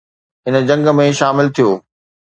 هن جنگ ۾ داخل ٿيو.